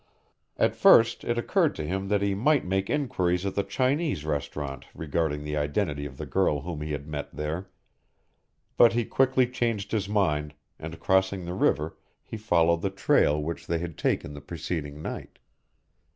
At first it occurred to him that he might make inquiries at the Chinese restaurant regarding the identity of the girl whom he had met there, but he quickly changed his mind, and crossing the river he followed the trail which they had taken the preceding night.